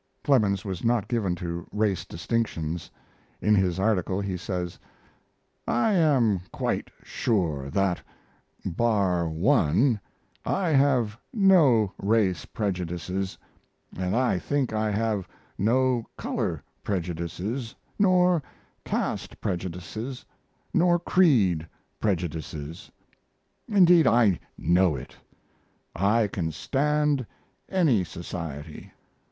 Clemens was not given to race distinctions. In his article he says: I am quite sure that (bar one) I have no race prejudices, and I think I have no color prejudices nor caste prejudices nor creed prejudices. Indeed I know it. I can stand any society.